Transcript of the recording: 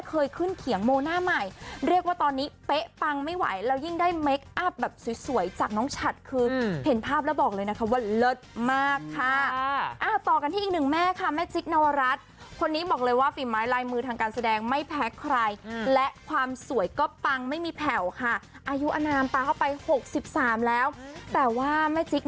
เคยขึ้นเขียงโมหน้าใหม่เรียกว่าตอนนี้เป๊ะปังไม่ไหวแล้วยิ่งได้เคคอัพแบบสวยสวยจากน้องฉัดคือเห็นภาพแล้วบอกเลยนะคะว่าเลิศมากค่ะต่อกันที่อีกหนึ่งแม่ค่ะแม่จิ๊กนวรัฐคนนี้บอกเลยว่าฝีไม้ลายมือทางการแสดงไม่แพ้ใครและความสวยก็ปังไม่มีแผ่วค่ะอายุอนามตามเข้าไป๖๓แล้วแต่ว่าแม่จิ๊ก